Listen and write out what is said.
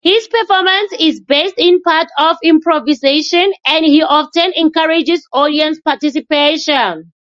His performance is based in part on improvisation and he often encourages audience participation.